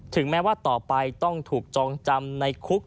แม้ว่าต่อไปต้องถูกจองจำในคุก